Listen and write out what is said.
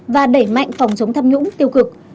và đẩy mạnh phòng chống tham nhũng tiêu cực